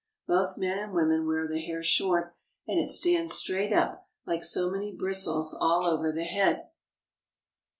Both men and women wear the hair short, and it stands straight up like so many bristles all over the head.